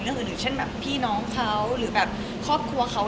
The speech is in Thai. เรื่องรึง่ายเช่นพี่น้องเขาหรือครอบครัวเขา